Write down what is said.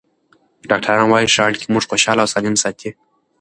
ډاکټران وايي ښه اړیکې موږ خوشحاله او سالم ساتي.